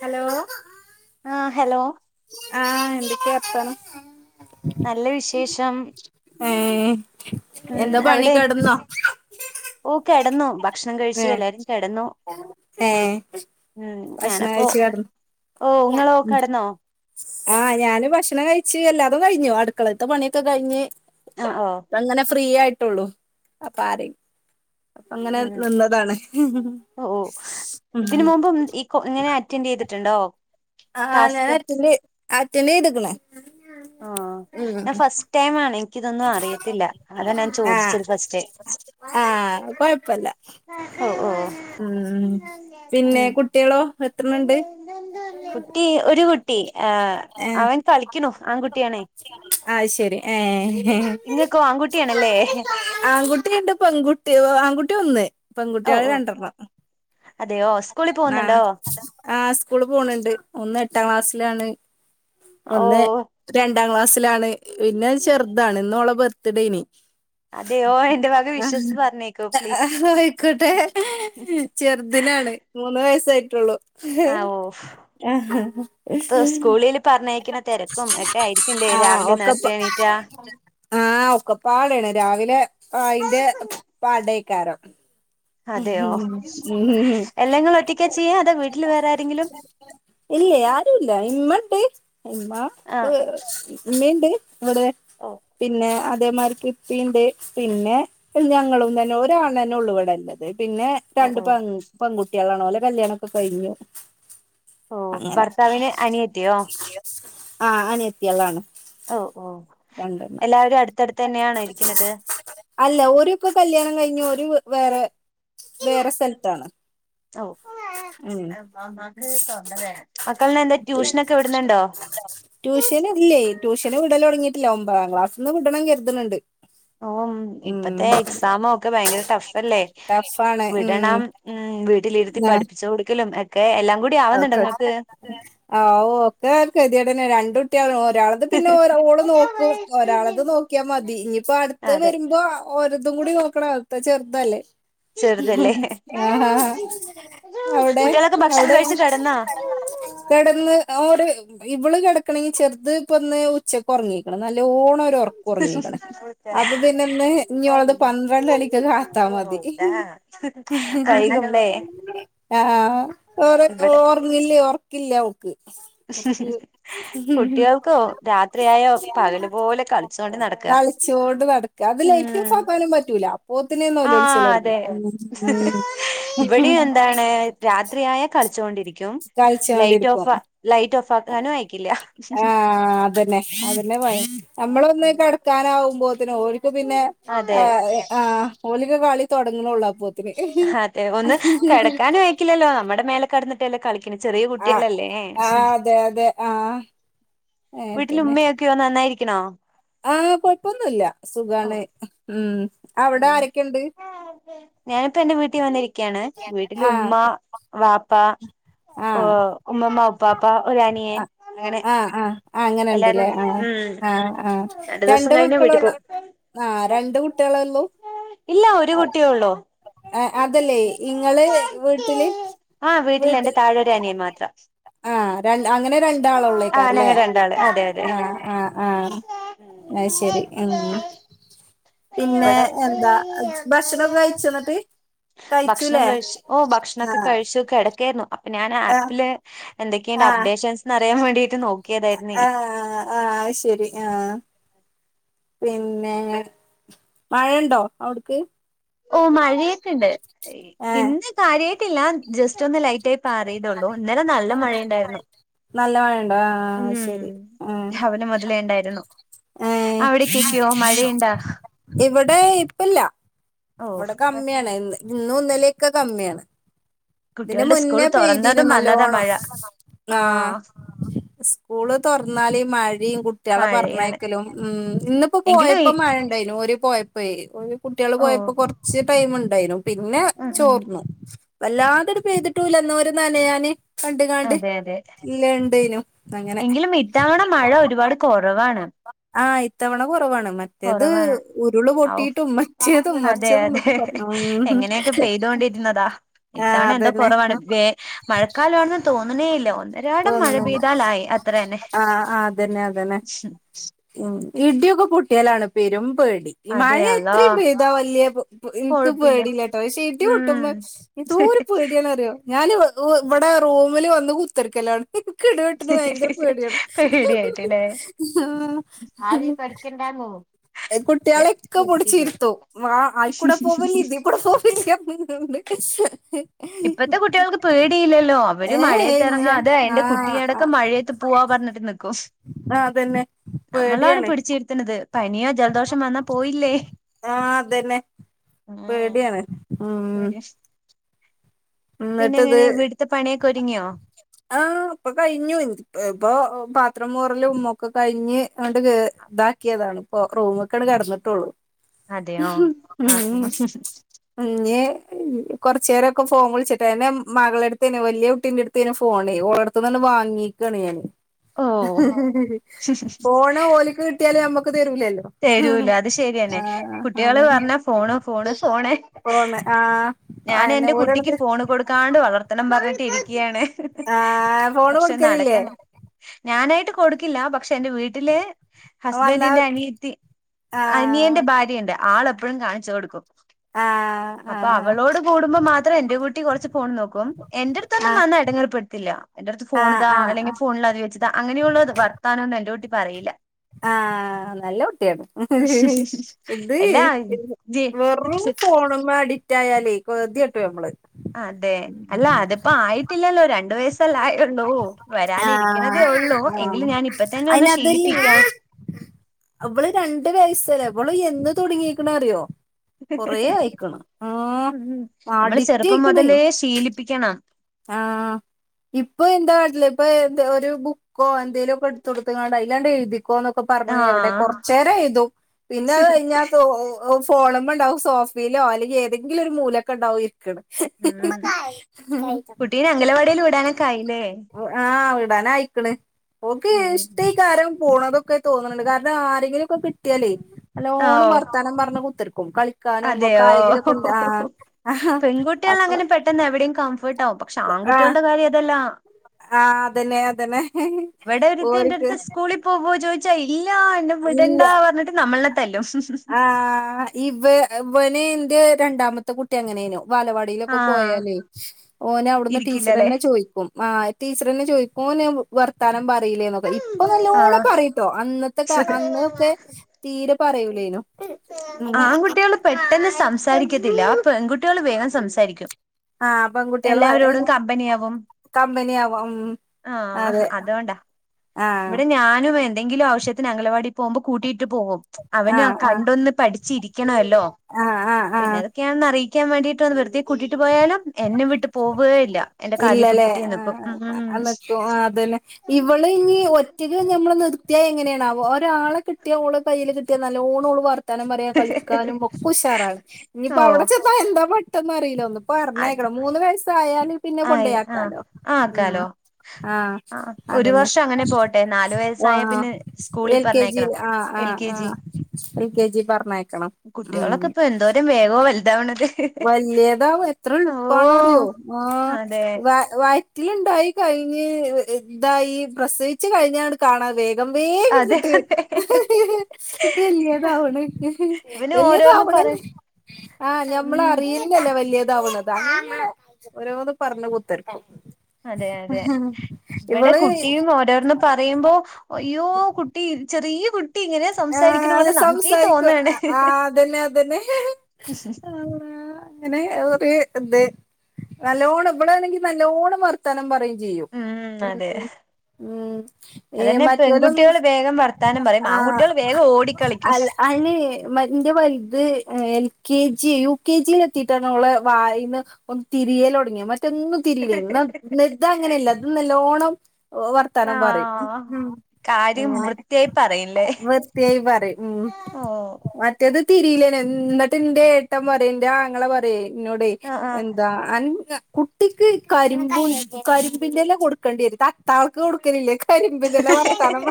Hello ആ hello ആ എന്തൊക്കെയാ വർത്താനം? നല്ല വിശേഷം. ഏഹ് ഉം എന്താ പണി അവിടെ? കെടന്നോ കിടന്നു. ഭക്ഷണം കഴിച്ചു ഏഹ് എല്ലാരും കിടന്നു. ഏഹ് ഉം. ഭക്ഷണം ഞാനപ്പോ കഴിച്ച് കെടന്നു ഓ ഇങ്ങളോ? കിടന്നോ? ആ ഞാന് ഭക്ഷണം കഴിച്ചു എല്ലാതും കഴിഞ്ഞു അടുക്കളത്തെ പണിയൊക്കെ കഴിഞ്ഞ് ആ ഓ അങ്ങനെ ഫ്രീ ആയി കേട്ടുള്ളൂ. അപ്പൊ ആരെ അങ്ങനെ- ഉം ഓ ഓ ഇതിനു മുമ്പ് ഈ ഇങ്ങനെ അറ്റൻഡ് ചെയ്തി ട്ടുണ്ടോ? ആ ഞാന് അറ്റൻഡ് അറ്റ റ്റന്റു ചെയ്തേക്കണ്. ആ ഞാൻ ഫസ്റ്റ് ടൈം ആണേ. ഇതൊന്നും അറിയത്തില്ല. അതാ ഞാൻ ആഹ് ചോദിച്ചത് ഫസ്റ്റ്. ആഹ് കൊഴപ്പല്ല ഓ ഓ ഉം പിന്നെ ഉം കുട്ടികളോ എത്രണ്ണണ്ട് കുട്ടി ഒരു കുട്ടി അവൻ കളിക്കണു. ആൺകുട്ടിയാണേ ആ ശരി ഏ ഇങ്ങക്കോ ആൺകുട്ടിയാണല്ലേ ആൺകുട്ടിയുണ്ട് പെൺകുട്ടിയ ആൺകുട്ടി ഒന്ന് ഓ പെൺകുട്ടികള് ഓ രണ്ടെണ്ണം. അതെയോ സ്കൂളിൽ ആ് പോകുന്നുണ്ടോ ആ സ്കൂള് പോണണ്ട് ഒന്ന് എട്ടാം ക്ലാസ് ാണ് ഓ ഒന്ന് രണ്ട് ണ്ടാം ക്ലാസ്സിലാണ് പിന്നെ ചെറുതാണ് ഇന്നോളെ ബർത്ത്ഡേന് അതെയോ എന്റെ ഭാഗം വിശ്വസിച്ച് പറഞ്ഞേക്കോ പ്ലീസ് കട്ടെ ചെറുദിനാണ് വയസ്സായിട്ടുള്ളു ആ ഓ പ്പൊ സ്കൂളില് പറഞ്ഞേക്കുന്ന തിരക്കും ഒക്കെ ആയിരിക്കുംല്ലേ ആ രാവിലെ ഒക്കപ്പ നേരത്തെ എണീറ്റാ ആ ഒക്കെ പാടയാണ് രാവിലെ ആയിന്റെ പാടെക്കാരം ഉ അതെയോ ഉ ഉം എല്ലാം നിങ്ങൾ ഒറ്റക്കാ ചെയ്യാ അതോ വീട്ടിൽ വേറെ ആരെങ്കിലും ഇല്ല യാരും ഇല്ല ഇ മ [unintelligible] [unintelligible] ആ ണ്ടേ ഇവിടെ ഓ പിന്നെ അ അമാർക്ക് ഇപ്പന്റെ പിന്നെ ഞങ്ങളും തന്നെ ഒരാളന്നെ ഉള്ളപടല്ലത് പിന്നെ ഓ രണ്ട് ഓ പ [unintelligible] കുട്ടികളാണോ ഒലെ കല്യാണം ഒക്കെ കഴിഞ്ഞു ഓ അങ്ങനെ ഭർത്താവിന അനിയത്തിയോ ആ അനിയത്തിയളാണ് ഓ ഓ എല്ലാവരും അടുത്തടുത്ത് തന്നെയാണോ ഇരിക്കുന്നത് അല്ല ഓരു ഇപ്പൊ കല്യാണം കഴിഞ്ഞു ഓരു വേറെ വേറെ സ്ഥലത്താണ്ഉം ഓ മക്കളിന് എന്താ ട്യൂഷനൊക്കെ വിടുന്നുണ്ടോ [unintelligible] ട്യൂഷനില്ലേ ട്യൂഷ ന് വിടല തുടങ്ങയിട്ടില്ല ഒമ്പതാം ക്ലാസ്ന്ന് വിടണം കരുതുന്നുണ്ട് ഓ ഉം ഇപ്പത്തെ എക്സാമ ഒക്കെ ഭയങ്കര ടഫ് അല്ലേ ടഫാണ് ഉം വിടണം ഉം വീട്ടിലിരുത്തി ആഹ് പഠിപ്പിച്ചു കൊടുക്കലും എ ഒക്കെ കതിടന്നെ രണ്ടും [unintelligible] ഒരാളത് പിന്നെ ഓരോള് നോക്കും ഒരാളത് നോക്കിയാ മതി ഇനിപ്പോ അടുത്ത് അതെ വരുമ്പോ ഓരോതും കൂടി നോക്കണ ഇപചെറുതല്ലേ ചെറുതല്ലേ അവിടെ കുട്ടികളൊക്കെ [unintelligible] പ [unintelligible] ഇവള് കിടക്കണെങ്കി ചെറുത് ഇപ്പേ വന്ന് ഉച്ചയ്ക്ക് ഉറങ്ങി നല്ലോണ ഉറക്ക ഉറങ്ങിക്കണ അപ്പൊ പിന്നെ ഒന്ന് ഇനിയുള്ളത് പന്ത്രണ്ടരയ്ക്ക കാത്താ മതി വൈകുംല്ലേ ആ [unintelligible] ഇവിടെ ഉറങ്ങിയില്ലേ [unintelligible] കുട്ടികൾക്കോ രാത്രിയായോ പകൽ പോലെ കളിച്ചോണ്ട് നടക്ക കളിച്ചോണ്ട് നടക്ക അത് ഉ ലൈറ്റ് ഓഫ് ആക്കാനും പറ്റൂല അപ്പോത്തിനേന്ന് ആ ഓലോളിച്ചലൊടങ്ങും അതെ ഉം ഉം ഇവിടെയും എന്താണ് രാത്രിയായ കളിച്ചൊണ്ടിരിക്കും ലൈറ്റ് ഓഫ ആ അതന്നെ അതന്നെ മ നമ്മളൊന്ന് കെടക്കാന ആവുമ്പോ ഓൾക്ക് പിന്നെ അതെ ആ ഓൾക്ക് കളി തുടങ്ങൊള്ളൂ അതെ ഒന്ന് കിടക്കാനും അഴക്കില്ലല്ലോ നമ്മടെ മേലെ കടന്ന് ട്ട് കളി ആ ആ അതെ അതെ ആ വീട്ടിൽ ഉമ്മയൊക്കെയോ നന്നായിരി ക്കാണോ ആ കൊഴപ്പൊന്നുല്ല ഓ സുഖമാണ് ഉം അവിടെ ഉം ആരൊക്കെ ഉണ്ട് ഞാനിപ്പോ എന്റെ വീട്ടിൽ വന്നിരി കാണ് വീട്ടിൽ ആഹ് ഉമ്മ ബാ ഉപ്പാ ഓ ഉമ്മുമ്മ ആ ആ ആ ആ അങ്ങനെ എല്ലാരും ഉണ്ടല്ലേ ഉണ്ട്. ആ ഉം ആ ആ രണ്ടു ദിവസം രണ്ട് കഴിഞ്ഞ മക്കള വീട്ടിൽ ഒള്ളൂ പോവും ആ രണ്ട് കുട്ടികൾ ഉള്ളൂ ഇല്ല ഒരു കുട്ടിയേ ഉള്ളൂ ഇങ്ങൾ വീട്ടിൽ ആ എന്റെ വീട്ടിൽ താഴെ ഒരു അനിയൻ മാത്രം ആ രണ്ട് അങ്ങനെ രണ്ടാൾ ആ ഉള്ളേക്കാറല്ലേ ഞങ്ങൾ രണ്ടാള് അതെ അതെ ആ ആ ആ ആയ് ശരി പിന്നെ ഇവിടെ എന്താ ഭക്ഷണം ഓക്കെ കഴിച്ചോന്നിണ്ട് ഭക്ഷണം കഴിച്ചു ഓ ഭക്ഷണം മൊക്കെ ആഹ് കഴിച്ച കെടെക്കെയിരുന്നു ഞാൻ ആപ്പില് എന്തൊക്കെയ അപ്ഡേഷൻസ് നാ ആ ആയ് ശരി ആഹ് പിന്നെ മഴയോണ്ടോ അവിടുക്ക് ഓ മഴ പെയ്തീണ്ട് ഏഹ് ഇന്ന് കാര്യായിട്ടില്ല ജസ്റ്റ് ഒന്ന് ലൈക്ക് [unintelligible] പാറിയതള്ളൂ ഇന്നലെ നല്ല മഴയുണ്ടായിരുന്നു നല്ല മഴയുണ്ടോ ആഹ് അത് ശരി ഉം ആഹ് അവന മുതലേ ഉണ്ടായി എണോ [unintelligible] ഏഹ് അവടെ കേക്യോ മഴയെണ്ടാ വെ ഇപ്പില്ല ഇവിടെ കമ്മിയാണ് ഇന്നു ഇന്നലെ ക്കെ കമ്മിയാണ് ഇതിന് കുട്ടികളുടെ സ്കൂള് മുന്നേ പെയ്തീനു തുറന്നതും വന്നതാ നല്ലോണം മഴ ആഹ സ്ക്കൂള് തുറന്നാൽ മ- [unintelligible] കുട്ടികളെ മഴയാണ് പറഞ്ഞയക്കലും ഉം ഇന്നിപ്പോ എങ്കിലും ഈ പോയപ്പോ മഴ ണ്ടായിരുന്നു ഒരു പോയ പോയ് ഉം കുട്ടികൾ ഓ പോയ [unintelligible] ടൈം ഉണ്ടായിന്നു പിന്നെ ഉം ഉം ചോർന്നു വല്ലാതട പെയ്തിട്ടൂല്ല എന്ന ഒരു നനയാനെ കണ്ട് കാണ്ട് അതെ അതെ ഇല്ലണ്ട് ന്തെനും എങ്കിലും ഇത്തവണ മഴ ഒരുപാട് കൊറവാണ് ആഹ് ഇത്തവണ കൊറവാണ് മറ്റേത് ഉരുള് പൊട്ടിയിട്ടും മറ്റേതും മറ- തെ അതെ എങ്ങനെയൊക്കെ പെയ്തൊണ്ടിരുന്നതാ ആഹ് ഇത്തവണ എന്തോ അതന്നെ കുറവാണ് വേ മഴക്കാലമാണെന്ന് തോണനെയില്ല [unintelligible] രാടം മഴ തോന്നുന്നുണ്ട് പെയ്താലായി അത്ര തന്നെ ആഹ് ആഹ് അതന്നെ അതന്നെ ഉ ഉം ഇടിയൊക്കെ പൊട്ടിയാലാണ് പേരും പേടി ഈ മഴ അതെ അള്ളാ എത്രയും പെയ്താ വലിയ ഇനിക്ക് കൊഴപ്പില്ല പേടി ഇല്യാട്ടോ ക്ഷെ ഇടി ഉം പൊട്ടുബ എന്തോരു പെടി ആണെന്നറിയോ ഞാൻ ഉം ഇവിടെ റൂമില് വന്ന് കു ത്തർക്കിലാണ് ക്ക് ഇടിവെട്ടന് ഭയങ്കര പേടിയാണ് പേടിയായിട്ടില്ലേ ആ അതെ കുട്ടികളൊക്കെ പൊടിച്ചിരുത്തോ ആ ആയിക്കൂടെ പോവില്ല ഇതി കൂടെ പോവില്ല [unintelligible] ഇപ്പത്തെ കുട്ടികൾക്ക് പേടിയില്ലല്ലോ അവര് ഏഹ് മഴയത്ത് ഇല്ല ഇറങ്ങാ അത് അതിന്റെ കുട്ടിയടൊക്കെ മഴയത്ത് പോവാ പറഞ്ഞിട്ട് നിക്കും ആ അതന്നെ നമ്മളാണ് പേഡിയണേ പിടിച്ചിരുത്തുന്നത് പനിയോ ജലദോഷം വന്നാ പോയില്ലേ ആഹ് അതന്നെ പേടിയാണ് ഉം പിന്നെ എന്നിട്ടത് എങ്ങനെ വീട്ട്ത്തെ പണിയൊക്കെ ഒരുങ്ങിയോ ആ ഇപ്പൊ കഴിഞ്ഞു ഇപ്പൊ പാത്രം മൂറലും ഒക്കെ കഴിഞ്ഞ് അണ്ട് ഇതാക്കിയതാണ് ഇപ്പോ റൂമൊക്കെ കിടന്നിട്ടുള്ളൂ അതെയോ ഹും ആ ഉംപിന്നെ ഉം കൊറച്ചേരം ക്ക ഫോൺ വി ച്ച ട്ടേനെ മകൾ ടെ അടുത്തേനെ വലിയ കുട്ടീന്റെറ അടുത്തേനെ ഫോൺ ഓളെടുത്തീന് വാങ്ങിക്കാണ് ഞാന് ഓ ഹ ഹ ഹഫോണ് ഓലിക്ക് കിട്ടിയാല് നമ്മക്ക് തരൂലല്ലോ ത രൂ ല അത് ശരിയാണ് ആഹ് കുട്ടികള് അതന്നെ വന്ന ഫോണ് ഫോണ് ഫോണ് ഫോണ് ആഹ് അയെന്നെ ഞാൻഎന്റെ കുട്ടിക്ക് ഓരാണ് ഫോണ് കൊടുക്കാണ്ട് വളർത്തണം പറഞ്ഞിട്ട് ഇരിക്കുകയാണ് ആഹ് ഫോണ് പക്ഷെ കൊടുക്കലില്ലേ നടക്കണ്ടെ ഞാനായിട്ട് കൊടുക്കില്ല പക്ഷെ എന്റെ വീട്ടില് വന്നാ ഹസ്ബൻഡിന്റെ അനി ആ അനിയന്റെ ഭാര്യ ഉണ്ട് ആളെപ്പോഴും കാണിച്ചു കൊടുക്കും ആ ആ അപ്പൊ അവളോട് കൂടുമ്പോ മാത്രം എന്റെ കുട്ടി കുറച്ച് ഫോൺ നോക്കും ആ എന്റെറടുത്തൊന്നും വന്ന ഇടങ്ങേറ്പ്പെടുത്തില്ല എന്റെറ അടുത്ത് ആ ഫോണതാ ആ ആ അല്ലെങ്കിൽ ഫോണിൽ അതി വെച്ചതാ അങ്ങനെയുള്ള വർത്താനം ഒന്നും എന്റെ കുട്ടി പറയില്ല ആ നല്ല കുട്ടിയാണ് ഹ ഹ ഹെഇത് എല്ലാ ജെ വെറും ഫോണുമ്മേഅഡിക്റ്റ് ആയാല് പൊറുതി കെട്ട് പോയി നമ്മള് അതെ അല്ല അതിപ്പോ ആയിട്ടില്ലല്ലോ രണ്ട വയസ് ലായുള്ളൂ ആ വരാനിരിക്കണതേ ഉള്ളൂ ആ എങ്കില് ഞാൻ ഇപ്പ തന്നെ ഒന്ന് അയിനതല്ലേ ശീലിപ്പിക്കാം ചിലപ്പോൾ എന്ന് തുടങ്ങിക്കണ അറിയോ കൊറേ ആയിക്കണ് ഉ ആ നമ്മള് അഡിക്റ്റ് ചെറുപ്പം മുതലേ ശീലിപ്പിക്കണം ആ ഇപ്പൊ എന്താ കാട്ടില് ഇപ്പൊ എന്ത ഒരു ബുക്കോ എന്തെേലും ഒക്കെ എടുത്തു കൊടുങ്ങാണ്ട് അതില് ങ്ങാണ് എഴുത് ക്കൊ ന്നക്കെ പറഞ്ഞു എവിടെ ആഹ് കൊറച്ച് നേരം എഴുതും പിന്നെ അത് കഴിഞ്ഞാ ഒ ഓ ഫോണുമ്പോ ഉണ്ടാവും സോഫയിലോഅല്ലെങ്കി ഏതെങ്കിലും ഒരു മൂലക്ക് ഉണ്ടാവും ഇക്കട ഉം കുട്ടീനെ അംഗലവാടിയിൽ വിടാനൊക്കെ ആയില്ലേ ആ വിടാനായിക്കണ് ഓക്ക് ഉം ഇഷ്ടേക്കാ രം പോണതൊക്കെ തോന്ന്ണ് ണ്ട് കാരണം ആരെങ്കിലും ഒക്കെ ട്ട്യാലേ ഓ നല്ലോണം വർത്താനം പറഞ്ഞ് കുത്തി ർക്കും അതെയോ ആഹ് പെൺകുട്ടികൾ അപ്പൊ അങ്ങനെ പെട്ടെന്ന് എവിടെയും ട്ടാവും പക്ഷെ ആങ്കുട്ടികളുടെ കാര്യം അതല്ലാ ആ അതനെ അതനെ ഇവിടെ ഒരുത്തി എന്റെടുത്ത് സ്കൂളിൽ പോവോ [inaudible] [unintelligible] ആ ന്നെ വിടണ്ടാ പറഞ്ഞിട്ട് നമ്മളന്നെ ആഹ ഇവ വന രണ്ടാമത്തെ കുട്ടി അങ്ങനെനോ വാലവാടീലൊക്കെ ആഹ് പോയാലേ ഓനെ അവിടുന്ന് ഇരിക്കില്ലല്ലേ ടീച്ചർന്നെ ചോയിക്കും ആ ടീച്ചർന്നെ ചോയിക്കും ഓന് വർത്താനം [inaudible] [unintelligible] ഇപ്പ നല്ലോണം ആഹ് പറയ്ട്ടോ അന്നത്തെ കാല [inaudible] അന്നൊക്കെ തീരെ പറയും ആൺകുട്ടികള് പെട്ടെന്ന് സംസ [inaudible] രിക്കത്തില്ല പെൺകുട്ടികൾ വേഗം സംസാരിക്കും ആ പെൺകുട്ടികള് എല്ലാവരോടും പറ കമ്പനിയാവും കമ്പനിയാവും ഉം ആ അതെ അതോണ്ടാ ആ ഇവിടെ ഞാനും എന്തെങ്കിലും ആവശ്യ അംഗനവാടി പോവുമ്പോൾ കൂട്ടിട്ടു - [unintelligible] പോകും ആ അവനു - ആ കണ്ടൊന്ന് പഠിച്ചിരിക്ക [inaudible] യ്ക്കണല്ലോ ആ ആ ആ പിന്നെതൊക്കെയാണ [inaudible] ക്കാ വേണ്ടീട്ട് വെറുതെ കൂട്ടീട്ട് പോയ [inaudible] ഇല്ലല്ലേ പിടിച്ചിട്ടേ നിക്കും ആ ഉം നിക്കും അതന്നെ ഇവള് ഇനി ഒറ്റക്ക് ഞമ്മള് നിർത്തിയാ എങ്ങനെയാണാവോ ഒരാളെ കിട്ടിയ ഓള് കയിൽ കിട്ടിയ നല്ലോണ വർ [inaudible] ത്താനം പറയാ കളിക്കാനും ഒക്കെ ഉഷാറാണ് ഓ ഇനിയിപ്പ അവിടെ ചെന്ന എന്താ ന്നു അറിയില്ലൊ [unintelligible] അത് മൂന്ന് വയസായാല് പിന്നെ ആയി ആഹ് കൊണ്ടൊയാക്കാലോ ആഹ് ഉം ആക്കാലോ ആ ആഹ് ഒരു അതന്നെ വർഷം അങ്ങനെ പോട്ടെ നാലു ആ വയസ്സായ പിന്നെ സ്കൂളിൽ എൽ കെ ജി പറഞ്ഞയക്കണം ആ ആ എൽ കെ ആ ജി എൽ കെ ജി പറഞ്ഞേക്കണം കുട്ടികളൊക്കെ ഇപ്പൊ എന്തോരം വേഗവാ വലുതാവണത് വല്യതാ ഓ പണറിയോ ആ അതെ വ വ കുട്ടിലുണ്ടായി കഴിഞ്ഞ് ഇതായി പ്രസവിച്ചു കഴിഞ്ഞാണ് കാണാറ് വേഗ വേഗം അതെ കിട്ടും അതെ ഇവന് ഓരോന്ന് വലിയതണ് പറയും ആ ഞാൻ നമ്മള് ഉം അറിയില്ലലെ വല്യ ഇതാവുന്നത് അമ്മെ [unintelligible] ഓരോന്ന് പറഞ് കുത്തറ്ക്കും അതെ അതെ ഇവിടെ ഇവള് കുട്ടിയും ഓരോരുന്ന് പറയുമ്പോ അയ്യോ കുട്ടി ചെറിയ കു ആഹ് സംസാരിക്കും ആ അതന്നെ അതന്നെ അങ്ങനെ ഒര് എന്ത് നല്ലോണം ഇവിടാണെങ്കി നല്ലോണം വർത്താനം പറയും. ഉം അതന്നെ മറ്റോല് പെൺകുട്ടികൾ വേഗം വർത്താനം [unintelligible] പറയും അ ആൺകുട്ടികൾ വേഗം ഓടിക്കളിക്കും അന് മന്റെ വലുത് എനിക്ക് കെ ജി, യു കെ ജിൽ എത്തിട്ടാണ് അവളെ വായീന്ന് ഒന്ന് തിരിയൽ തൊടങ്ങിയേ. തെങ്ങു തിരിയുകല്ലേ നിത് അങ്ങനെയല്ല ഇത് നല്ലോണം വർത്താനം പറയും ആഹ് കാര്യം വൃത്തിയായി പറയില്ലേ? പറേം ഉം ഓ മറ്റേ അത് തിരിലേന എന്നിട്ട് എന്റെ ഏട്ടൻ പറെയ എന്റെ ആങ്ങള പറയേ എന്നോടേ ആഹ് ആഹ് എന്താ അ കുട്ടിക്ക് കരിമ്പും കരിമ്പിന്റെല കൊടുക്കേണ്ടി വരും തട്ടാൾക്ക് കൊടുക്കലില്ലേ കരിമ്പ് ജല വർത്താനം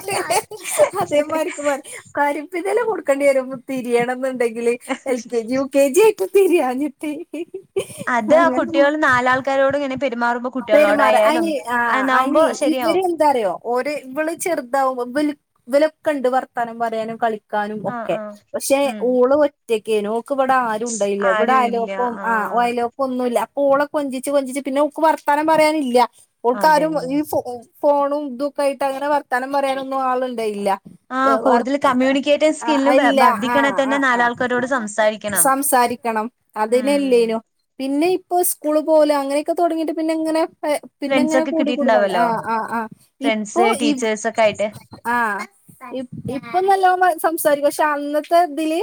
അതേ മാരിക്കുംമാ കരിമ്പിന്റെല കൊടുക്കേണ്ടി വരും തിരിയണം എന്നുണ്ടെങ്കിൽ കില് L K G U K G ആയിട്ട് ബിരിയാണി [unintelligible] അത് ആ അങ്ങനെ കുട്ടികൾ നാലാൾക്കാരോട് ഇങ്ങനെ പെരുമാറുമ്പോ പെരുമാറ കുട്ടികളോടായാലും അയ്നി ആഹ് അയ്ന് അന്നാവുമ്പോ ശരിയാവും ഇവരെന്താറിയോ ഓര് വള് ചെറുതാവുമ്പോ ബൽ വ് ലക്കണ്ട് വർ ത്താനം പറയാനും കളിക് കാനും ആഹ് ഒക്കെ ആഹ് പക്ഷെ ഉം ഓള് ഒറ്റ കേനോ ക്ക് വടെ ആരുണ്ടായില്ല. ഇവടെ ആരും ഇല്ല അയലോക്കം ആഹ് ഒയലോക്കൊന്നുല്ല ഓളെ കൊഞ്ചിച്ച് കൊഞ്ചിച്ച് പിന്നെ ഒക്ക് വർത്താനം പറയാനില്ല അതെ ഓൾക്കാരും ഈ ഫോ ഫോണും ഇതൊക്കായിട്ട് അങ്ങനെ വർത്താനം പറയാനൊന്നും ആളുണ്ടായില്ല വെ ആഹ് വർ കൂടുതൽ കമ്മ്യൂണിക്കേറ്റീവ് അഹ് സ്കില്ല് അയില്ല. വർദ്ധിക്കണെ ആഹ് അ തന്നെ ആഹ് നാലാൾക്കാരോട് സംസാരിക്കണം സംസാരിക്കണം അതിനില്ലേനു ഉം പിന്നെ ഇപ്പോ സ്കൂള് പോലോ അങ്ങനെയൊക്കെ തൊടങ്ങിട്ട് പിന്നെങ്ങനെ അഹ് പിന്നെങ്ങനെ ഫ്രണ്ട്സൊക്കെ കൂടി കൂടി വന്ന് കിട്ടിയിട്ടുണ്ടാവല്ലോ ആഹ് ആഹ് ആഹ് ഫ്രണ്ട്സ് ഇപ്പൊ ഇപ് ടീച്ചേഴ്സ് ഒക്കെ ആയിട്ട് ആഹ് പ്പ നല്ലോ സംസാരിക്കും പക്ഷെ അന്നത്തെ തില്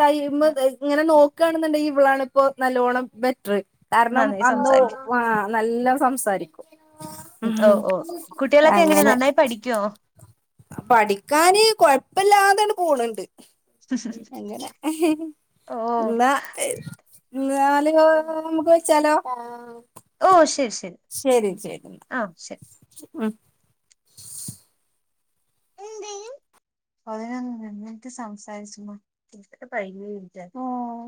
ടൈം തെ ഇങ്ങനെ നോ കാണ്ന്ന്ണ്ടെങ്കിൽ ഇവളാണിപ്പൊ നല്ലോണം ബെറ്റ്റ് കാരണം നന്നായി അന്ന് സംസാരിക്കും ആഹ് നല്ല സംസാരിക്കും ഓ ളം ഓ കുട്ടികളൊക്കെ എങ്ങനെ അങ്ങനെ നന്നായി പഠിക്കുവോ പഠിക്കാന് ബല്ലാതാണ് പോണ് ഇണ്ട് അങ്ങനെ ഓ ഇന്ന നാല് കോ [unintelligible] നമുക്ക് വെച്ചാലോ ഓഹ് ശെരി ശെരി ശരി ശരി എന്നാ ആഹ് ശെരി ഉം അ [unintelligible] ട്ട എനിക്ക്സംസാരിച്ച [unintelligible] [unintelligible] [unintelligible]